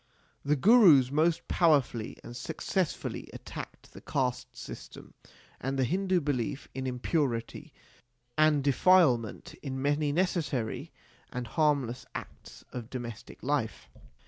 The Gurus most powerfully and successfully at tacked the caste system and the Hindu belief in impurity and defilement in many necessary and harmless acts of domestic life.